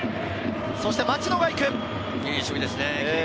そして町野が行く。